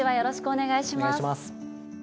お願いします。